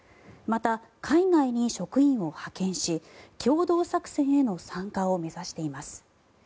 また、海外に職員を派遣し共同作戦への参加を目指しています。